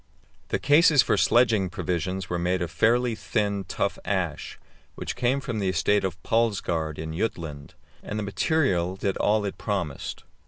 The cases for sledging provisions were made of fairly thin, tough ash, which came from the estate of Palsgaard in Jutland, and the material did all it promised.